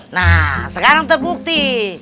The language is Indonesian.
nah sekarang terbukti